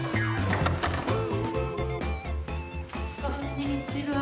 こんにちは。